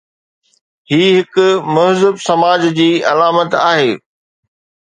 هي هڪ مهذب سماج جي علامت آهي.